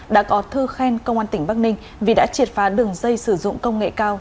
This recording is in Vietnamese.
đã có thư khen công an tỉnh bắc ninh vì đã triệt phá đường dây sử dụng công nghệ cao